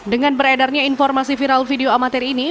dengan beredarnya informasi viral video amatir ini